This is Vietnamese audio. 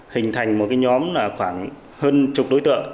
hình thành một nhóm khoảng hơn chục đối tượng